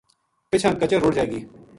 پِچھاں کچر رُڑ جائے گی